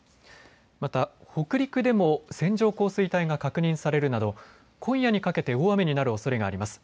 また北陸でも線状降水帯が確認されるなど今夜にかけて大雨になるおそれがあります。